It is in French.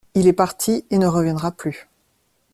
Il est parti et ne reviendra plus.